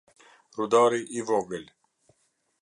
Rudari i Vogël